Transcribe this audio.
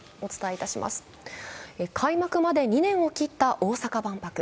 開幕まで２年を切った大阪万博。